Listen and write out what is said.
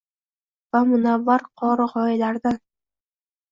va Munavvar qori g'oyalaridan